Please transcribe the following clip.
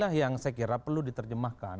inilah yang saya kira perlu diterjemahkan